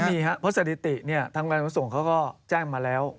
มีฮะเพราะสถิติทางกรุ่นผลส่งก็แจ้งมาแล้ว